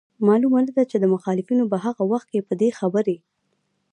معلومه نه ده چي مخالفينو به هغه وخت په دې خبري